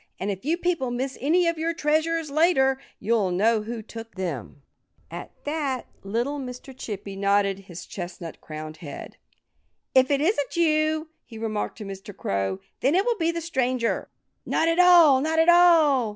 And if you people miss any of your treasures, later, you'll know who took them." At that little Mr. Chippy nodded his chestnut crowned head. "If it isn't you," he remarked to Mr. Crow, "then it will be the stranger." "Not at all! Not at all!"